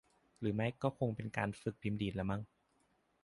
หรือไม่ก็คงเป็นการฝึกพิมพ์ดีดละมั้ง